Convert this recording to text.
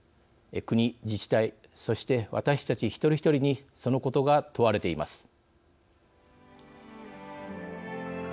国、自治体そして私たち一人一人にそのことが問われています。